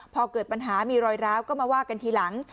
พอเกิดปัญหามีรอยร้าวก็มาว่ากันทีหลัง